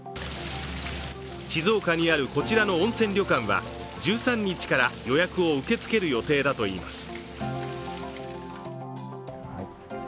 静岡にあるこちらの温泉旅館は１３日から予約を受け付ける予定だといいます。